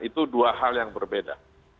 itu dua hal yang berbeda